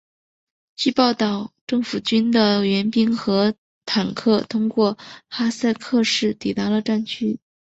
据报道政府军的援兵和坦克通过哈塞克市抵达了战区。